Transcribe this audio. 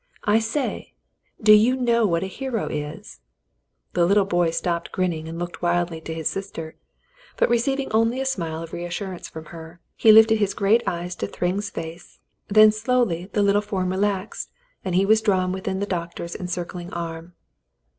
"I say, do you know what a hero is.'^" The startled boy stopped grinning and looked wildly to his sister, but receiving only a smile of reassurance from her, he lifted his great eyes to Thryng's face, then slowly the little form relaxed, and he was drawn within the doc tor's encircling arm.